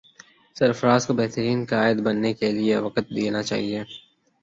سرفراز کو بہترین قائد بننے کے لیے وقت دینا چاہیے